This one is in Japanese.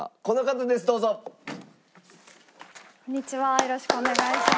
よろしくお願いします。